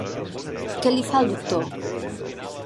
Què li fa el doctor?